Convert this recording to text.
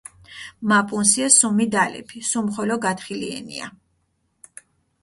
მა პუნსია სუმი დალეფი, სუმხოლო გათხილიენია.